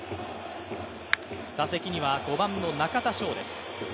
打席には５番の中田翔です。